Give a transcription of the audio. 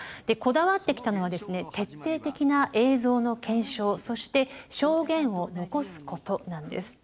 でこだわってきたのは徹底的な映像の検証そして証言を残すことなんです。